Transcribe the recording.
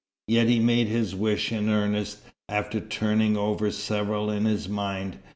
Yet he made his wish in earnest, after turning over several in his mind.